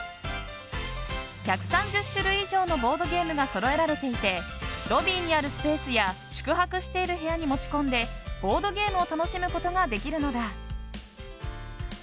１３０種類以上のボードゲームがそろえられていてロビーにあるスペースや宿泊している部屋に持ち込んでボードゲームを楽しむことができるのだ。